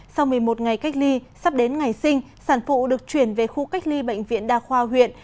sau một mươi một ngày cách ly sắp đến ngày sinh sản phụ được chuyển về khu cách ly bệnh viện đa khoa huyện